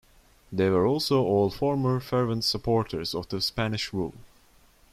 They were also all former fervent supporters of the Spanish rule.